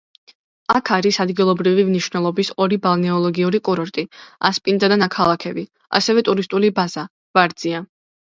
აქ არის ადგილობრივი მნიშვნელობის ორი ბალნეოლოგიური კურორტი: ასპინძა და ნაქალაქევი, ასევე ტურისტული ბაზა „ვარძია“.